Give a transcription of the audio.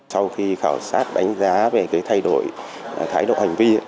sau khi khảo sát đánh giá về cái thay đổi thái độ hành vi